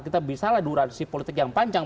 kita bisa lah durasi politik yang panjang